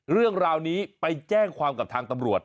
เรื่องราวนี้ไปแจ้งความกับทางตำรวจ